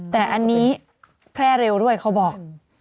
แต่อันนี้แพร่เร็วด้วยเขาบอก